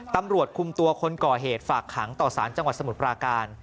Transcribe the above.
ตำรวจคุมตัวคนก่อเหตุฝากขังต่อสารจังหวัดสมุทรปราการ